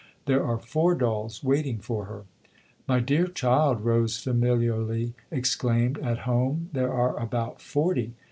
There are four dolls waiting for her." " My dear child," Rose familiarly exclaimed, " at home there are about forty